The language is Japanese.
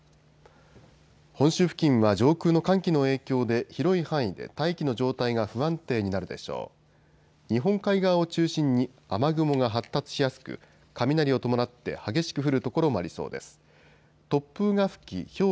本州付近は上空の寒気の影響で広い範囲で大気の状態が不安定になるでしょう。